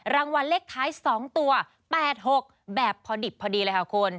รางวัลเลขท้าย๒ตัว๘๖แบบพอดิบพอดีเลยค่ะคุณ